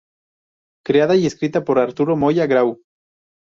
Creada y escrita por Arturo Moya Grau.